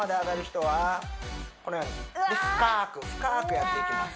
このように深く深くやっていきます